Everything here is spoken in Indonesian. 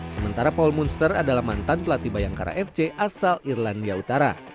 sementara paul monster adalah mantan pelatih bayangkara fc asal irlandia utara